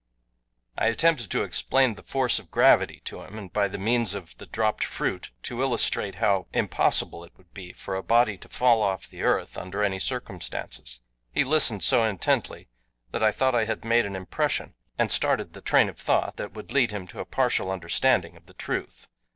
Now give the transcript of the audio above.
I attempted to explain the force of gravity to him, and by the means of the dropped fruit to illustrate how impossible it would be for a body to fall off the earth under any circumstances. He listened so intently that I thought I had made an impression, and started the train of thought that would lead him to a partial understanding of the truth.